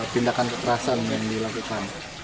pindakan kekerasan yang dilakukan